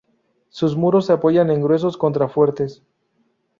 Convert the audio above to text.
Sus muros se apoyan en gruesos contrafuertes.